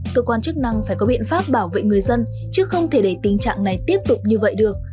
cơ quan chức năng phải có biện pháp bảo vệ người dân chứ không thể để tình trạng này tiếp tục như vậy được